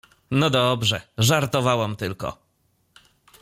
No dobrze, żartowałam tylko.